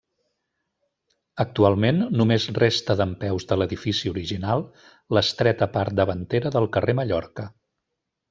Actualment només resta dempeus de l'edifici original l'estreta part davantera del carrer Mallorca.